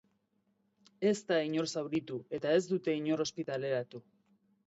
Ez da inor zauritu, eta ez dute inor ospitaleratu.